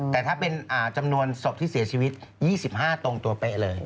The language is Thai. แต่ถ้าเป็นจำนวนศพที่เสียชีวิต๒๕ตรงตัวเป๊ะเลย